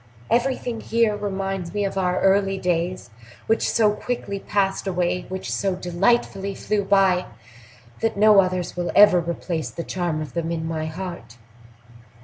Everything here reminds me of our early days, which so quickly passed away, which so delightfully flew by, that no others will ever replace the charm of them in my heart."